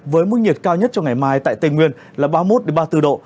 với mức nhiệt cao nhất cho ngày mai tại tây nguyên là ba mươi một ba mươi bốn độ